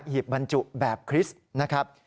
หีบบรรจุแบบคริสต์นะครับ